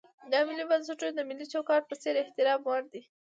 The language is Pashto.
دا ملي بنسټونه د ملي چوکاټ په څېر د احترام وړ دي.